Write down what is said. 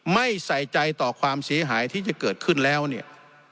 ไม่ใส่ใจต่อความเสียหายที่จะเกิดขึ้นแล้วเนี่ย